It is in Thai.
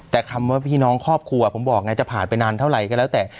แต่คำว่าพี่น้องครอบครัวผมบอกไงจะผ่านไปนานเท่าไหร่ก็แล้วแต่